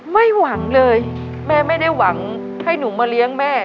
ไม่หวังเลยแม่ไม่ได้หวังให้หนูมาเลี้ยงแม่